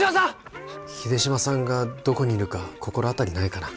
秀島さんがどこにいるか心当たりないかな？